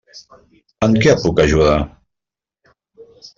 En què et puc ajudar?